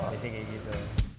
sisi kayak gitu